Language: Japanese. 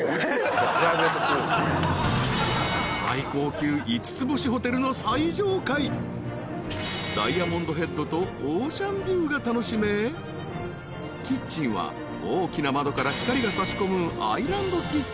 ［最高級五つ星ホテルの最上階］［ダイヤモンドヘッドとオーシャンビューが楽しめキッチンは大きな窓から光が差し込む］